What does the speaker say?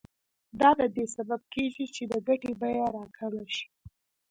دا د دې سبب کېږي چې د ګټې بیه راکمه شي